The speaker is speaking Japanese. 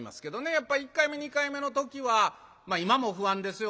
やっぱ１回目２回目の時はまあ今も不安ですよ